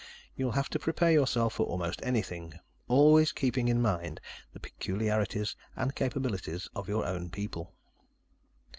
You'll have to prepare yourself for almost anything, always keeping in mind the peculiarities and capabilities of your own people."